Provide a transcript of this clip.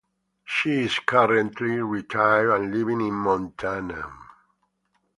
She is currently retired and living in Montana.